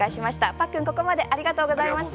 パックン、ここまでありがとうございました。